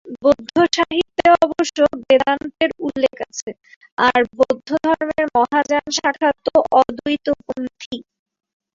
বৌদ্ধসাহিত্যে অবশ্য বেদান্তের উল্লেখ আছে, আর বৌদ্ধধর্মের মহাযান শাখা তো অদ্বৈতপন্থী।